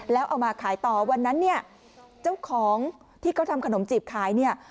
แล้วเอามาขายต่อวันนั้นเจ้าของที่เขาทำขนมจีบขาย